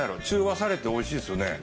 中和されておいしいですよね。